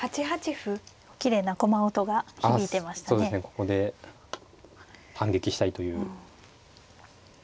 ここで反撃したいという。